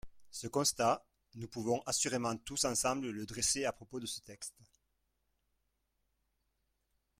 Ce constat, nous pouvons assurément tous ensemble le dresser à propos de ce texte.